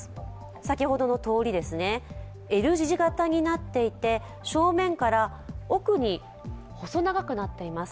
先ほどの通りですが、Ｌ字形になっていて、正面から奥に細長くなっています。